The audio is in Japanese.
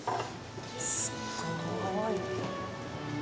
すっごい。